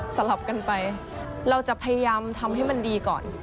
สลับกันไปเราจะพยายามทำให้มันดีก่อน